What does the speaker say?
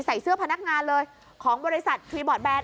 ใส่เสื้อพนักงานเลยของบริษัทครีบอร์ดแนน